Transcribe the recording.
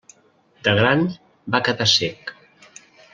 De gran, va quedar cec.